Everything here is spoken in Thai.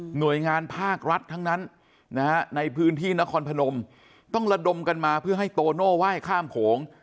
หน่วยงานภาครัฐทั้งนั้นนะฮะในพื้นที่นครพนมต้องระดมกันมาเพื่อให้โตโน่ไหว้ข้ามโขง